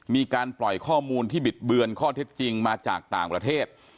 มีการปล่อยข้อมูลที่บิดเบือนข้อเท็จจริงมาจากต่างประเทศ